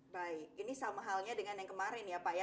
baik ini sama halnya dengan yang kemarin ya pak ya